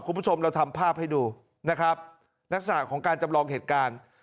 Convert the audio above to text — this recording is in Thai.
คุณผู้ชมเราทำภาพให้ดูนะครับลักษณะของการจำลองเหตุการณ์